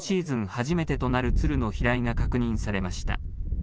初めてとなる鶴の飛来が確認されました。